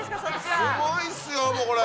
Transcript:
すごいっすよもうこれ。